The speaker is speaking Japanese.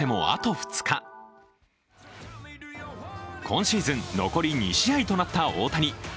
今シーズン残り２試合となった大谷。